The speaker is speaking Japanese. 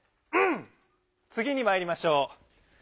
つぎにまいりましょう。